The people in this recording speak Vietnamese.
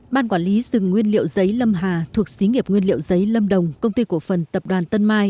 ban quản lý rừng nguyên liệu giấy lâm hà thuộc xí nghiệp nguyên liệu giấy lâm đồng công ty cổ phần tập đoàn tân mai